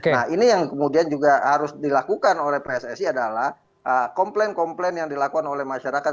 nah ini yang kemudian juga harus dilakukan oleh pssi adalah komplain komplain yang dilakukan oleh masyarakat